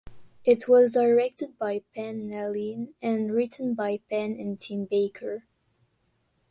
It was directed by Pan Nalin and written by Pan and Tim Baker.